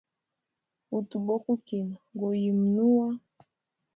Utu bokukina go yimunua.